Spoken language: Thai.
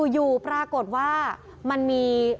อยู่ปรากฏว่ามันมี